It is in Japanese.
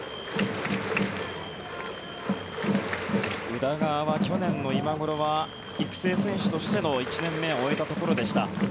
宇田川は去年の今ごろは育成選手としての１年目を終えたところでした。